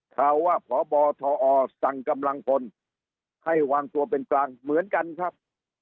ข่าวว่าพบทอสั่งกำลังพลให้วางตัวเป็นกลางเหมือนกันครับ